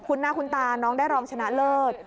คุณหน้าคุณตาน้องได้รองชนะเลิศ